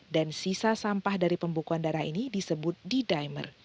dan sisa sampah dari pembekuan darah ini disebut d dimer